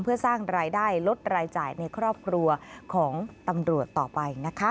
เพื่อสร้างรายได้ลดรายจ่ายในครอบครัวของตำรวจต่อไปนะคะ